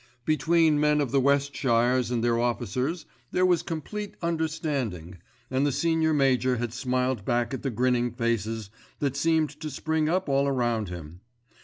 |+−−−−−−−−−−−−−−−−−−−−−−−−−−−−−−−+ Between men of the Westshires and their officers there was complete understanding, and the Senior Major had smiled back at the grinning faces that seemed to spring up all round him.